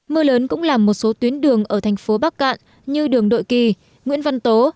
mưa lớn cũng làm một số tuyến đường ở thành phố bắc cạn như đường đội kỳ nguyễn văn tố